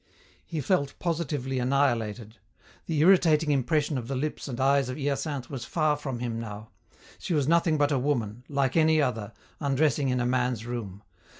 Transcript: He felt positively annihilated. The irritating impression of the lips and eyes of Hyacinthe was far from him now. She was nothing but a woman, like any other, undressing in a man's room.